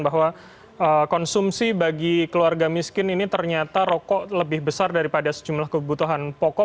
bahwa konsumsi bagi keluarga miskin ini ternyata rokok lebih besar daripada sejumlah kebutuhan pokok